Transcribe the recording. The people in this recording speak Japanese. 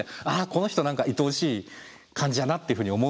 この人何かいとおしい感じだなっていうふうに思うみたいなね。